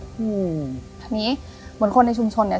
อืมทีนี้เหมือนคนในชุมชนเนี่ย